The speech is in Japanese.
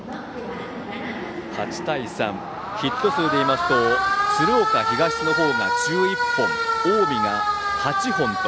８対３、ヒット数でいうと鶴岡東の方が１１本で近江が８本。